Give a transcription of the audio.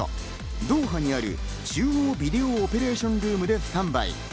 ドーハにある中央オペレーションルームでスタンバイ。